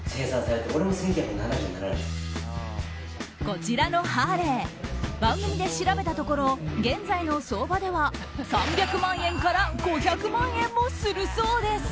こちらのハーレー番組で調べたところ現在の相場では、３００万円から５００万円もするそうです。